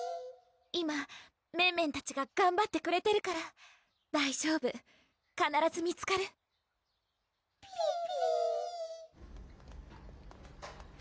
今メンメンたちががんばってくれてるから大丈夫かならず見つかるピピー